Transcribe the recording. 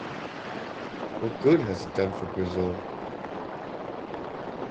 What good has it done for Brazil?